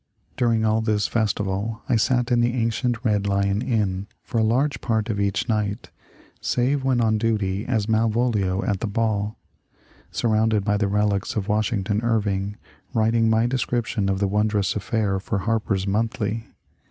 During all this festival I sat in the ancient Red Lion Inn for a large part of each night, — save when on duty as Mal volio at the ball, — surrounded by the relics of Washington Irving, writing my description of the wondrous affair for ^^ Harper's Monthly."